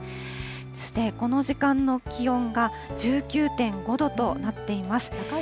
そしてこの時間の気温が１９．５度となっています。